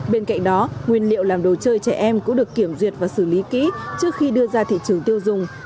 bên cạnh đó nguyên liệu làm đồ chơi trẻ em cũng được kiểm duyệt và xử lý kỹ trước khi đưa ra thị trường tiêu dùng